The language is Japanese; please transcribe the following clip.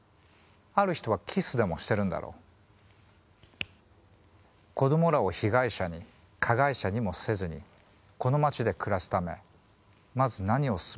ある人はキスでもしてるんだろう子供らを被害者に加害者にもせずにこの街で暮らすためまず何をすべきだろう？